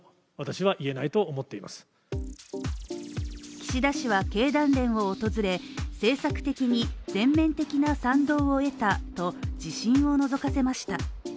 岸田氏は経団連を訪れ政策的に全面的な賛同を得たと自信をのぞかせました。